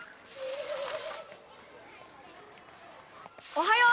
おはよう！